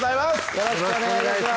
よろしくお願いします。